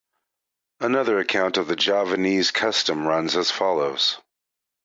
Another account of the Javanese custom runs as follows.